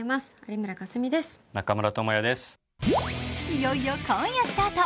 いよいよ今夜スタート。